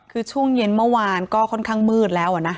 คือช่วงเย็นเมื่อวานก็ค่อนข้างมืดแล้วนะ